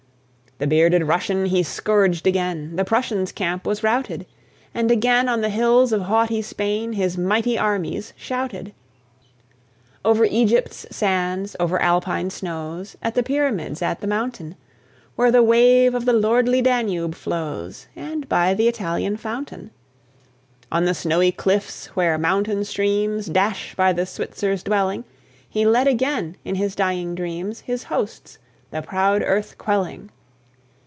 The bearded Russian he scourged again, The Prussian's camp was routed, And again on the hills of haughty Spain His mighty armies shouted. Over Egypt's sands, over Alpine snows, At the pyramids, at the mountain, Where the wave of the lordly Danube flows, And by the Italian fountain, On the snowy cliffs where mountain streams Dash by the Switzer's dwelling, He led again, in his dying dreams, His hosts, the proud earth quelling.